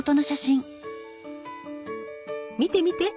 見て見て！